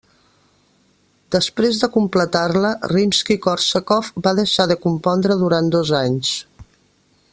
Després de completar-la, Rimski-Kórsakov va deixar de compondre durant dos anys.